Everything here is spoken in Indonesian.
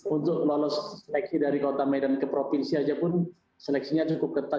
untuk lolos seleksi dari kota medan ke provinsi saja pun seleksinya cukup ketat